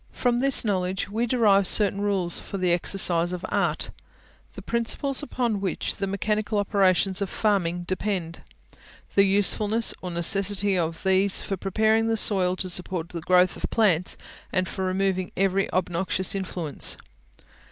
From this knowledge we derive certain rules for the exercise of the ART, the principles upon which the mechanical operations of farming depend, the usefulness or necessity of these for preparing the soil to support the growth of plants, and for removing every obnoxious influence.